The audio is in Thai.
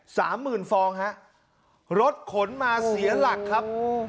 สามหมื่นฟองฮะรถขนมาเสียหลักครับ